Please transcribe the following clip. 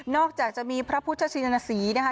อกจากจะมีพระพุทธชินสีนะคะ